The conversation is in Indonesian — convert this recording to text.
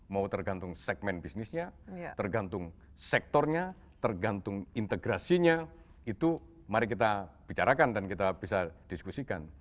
mau tergantung segmen bisnisnya tergantung sektornya tergantung integrasinya itu mari kita bicarakan dan kita bisa diskusikan